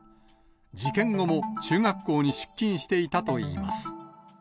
事件後も中学校に出勤していたといいます。